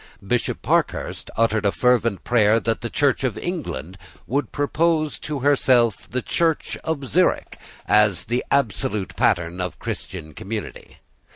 Bishop Parkhurst uttered a fervent prayer that the Church of England would propose to herself the Church of Zurich as the absolute pattern of a Christian community.